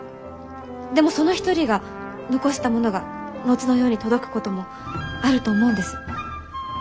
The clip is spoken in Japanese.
でもその一人が残したものが後の世に届くこともあると思うんです。